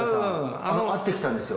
会ってきたんですよ。